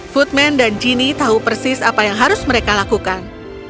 footman dan jeanny tahu persis apa yang harus mereka lakukan